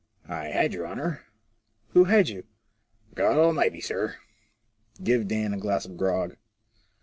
" I had, your honour." "Who had you?" " God Almighty, sir." " Give old Dan a glass of grog."